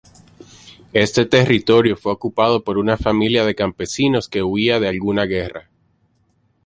Este territorio fue ocupado por una familia de campesinos que huían de alguna guerra.